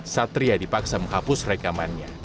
satria dipaksa menghapus rekamannya